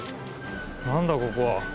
何だここは。